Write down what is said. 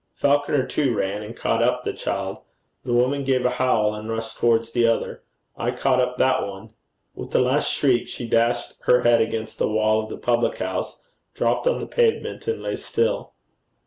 Falconer too ran, and caught up the child. The woman gave a howl and rushed towards the other. I caught up that one. With a last shriek, she dashed her head against the wall of the public house, dropped on the pavement, and lay still.